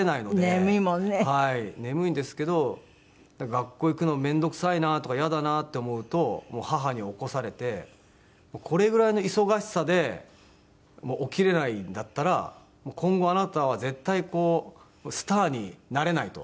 眠いんですけど学校行くの面倒くさいなとかイヤだなって思うともう母に起こされて「これぐらいの忙しさで起きれないんだったら今後あなたは絶対スターになれない」と。